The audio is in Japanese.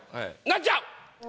なっちゃん！